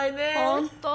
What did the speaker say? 本当！